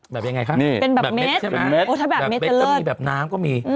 แบบเบ็ดก็มีแบบน้ำก็มี